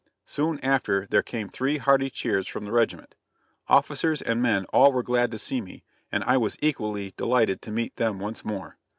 Soon after there came three hearty cheers from the regiment. Officers and men all were glad to see me, and I was equally delighted to meet them once more.